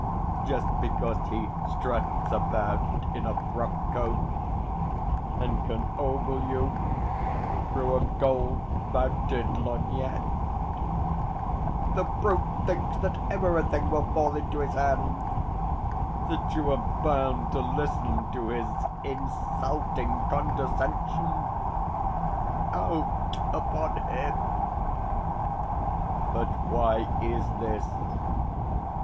Just because he struts about in a frockcoat, and can ogle you through a gold mounted lorgnette, the brute thinks that everything will fall into his hands that you are bound to listen to his insulting condescension! Out upon him! But why is this?